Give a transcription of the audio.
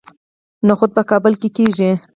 نخود په کابل کې کیږي